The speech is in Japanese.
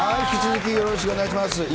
引き続きよろしくお願いします。